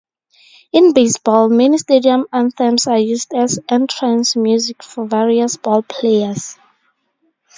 In baseball, many stadium anthems are used as entrance music for various ballplayers.